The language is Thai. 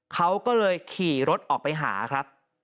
เขาก็เลยขี่รถออกไปหาครับ